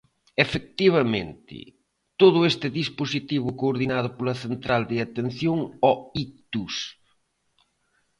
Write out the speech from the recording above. Efectivamente, todo este dispositivo coordinado pola Central de Atención ao Ictus.